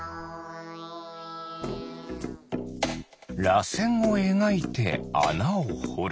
らせんをえがいてあなをほる。